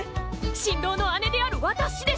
新郎の姉である私でしょ！